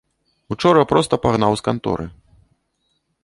Учора проста пагнаў з канторы.